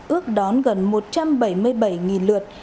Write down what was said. ước đón gần một trăm bảy mươi bảy lượt